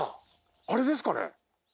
あれですかね？